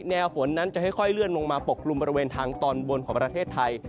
ฝนนั้นจะค่อยเลื่อนลงมาปกกลุ่มบริเวณทางตอนบนของประเทศไทย